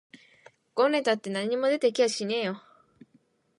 ごねたって何も出て来やしないよ